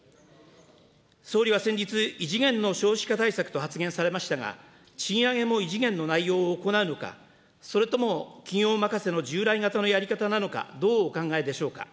総理は先日、異次元の少子化対策と発言されましたが、賃上げも異次元の内容を行うのか、それとも企業任せの従来型のやり方なのかどうお考えでしょうか。